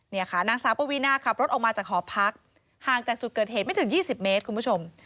นี่ค่ะนางสาวปวีนาขับรถออกมาจากหอพักห่างจากจุดเกิดเหตุไม่ถึง๒๐เมตรคุณผู้ชม